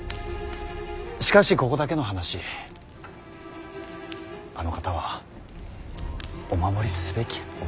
しかしここだけの話あの方はお守りすべきお方では。